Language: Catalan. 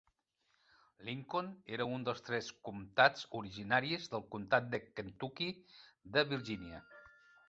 Lincoln era un dels tres comtats originaris del comtat de Kentucky de Virginia.